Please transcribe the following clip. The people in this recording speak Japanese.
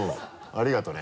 ありがとね